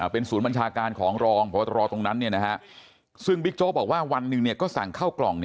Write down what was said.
เป็นศูนย์บัญชาการของรองพบตรตรงนั้นซึ่งบิ๊กโจ๊กบอกว่าวันหนึ่งก็สั่งเข้ากล่อง